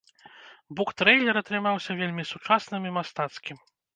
Буктрэйлер атрымаўся вельмі сучасным і мастацкім.